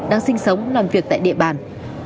đang sinh sống làm việc tại địa bàn